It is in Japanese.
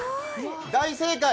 大正解！